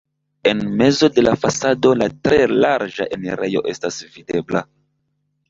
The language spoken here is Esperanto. En mezo de la fasado la tre larĝa enirejo estas videbla.